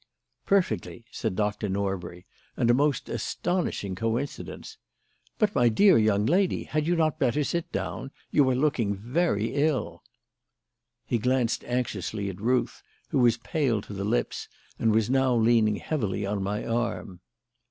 "Perfectly," said Dr. Norbury; "and a most astonishing coincidence but, my dear young lady, had you not better sit down? You are looking very ill." He glanced anxiously at Ruth, who was pale to the lips and was now leaning heavily on my arm.